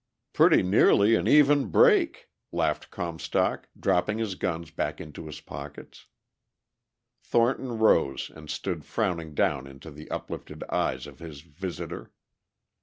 "Pretty nearly an even break," laughed Comstock, dropping his guns back into his pockets. Thornton rose and stood frowning down into the uplifted eyes of his visitor.